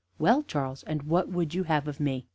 "Well, Charles, and what would you have of me?"